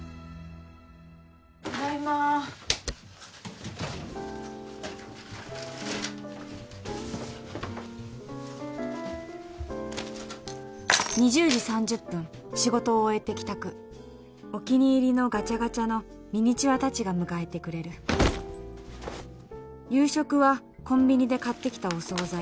ただいま２０時３０分仕事を終えて帰宅お気に入りのガチャガチャのミニチュア達が迎えてくれる夕食はコンビニで買ってきたお惣菜